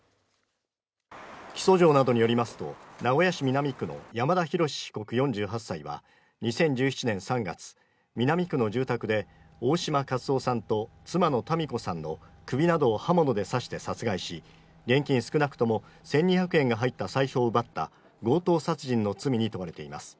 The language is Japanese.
起訴状などによりますと、名古屋市南区の山田広志被告４８歳は、２０１７年３月南区の住宅で、大島克夫さんと妻のたみ子さんの首などを刃物で刺して殺害し、現金少なくとも１２００円が入った財布を奪った強盗殺人の罪に問われています。